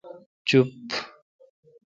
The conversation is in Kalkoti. چوپ۔